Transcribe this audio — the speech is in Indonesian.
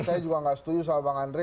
saya juga nggak setuju sama bang andre